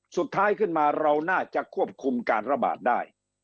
สุดท้ายขึ้นมาเราน่าจะควบคุมการระบาดได้